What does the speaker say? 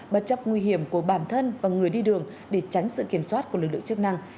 bất chấp nguy hiểm của bản thân và người đi đường để tránh sự kiểm soát của lực lượng chức năng